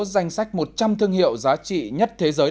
danh sách một trăm linh thương hiệu giá trị nhất thế giới